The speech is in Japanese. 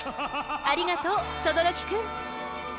ありがとう軣くん！